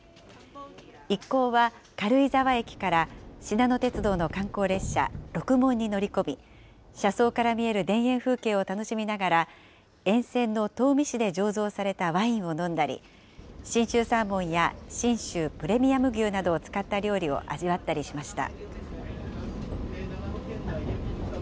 一行は軽井沢駅からしなの鉄道の観光列車、ろくもんに乗り込み、車窓から見える田園風景を楽しみながら、沿線の東御市で醸造されたワインを飲んだり、信州サーモンや信州プレミアム牛などを使った料理を味わったりしました。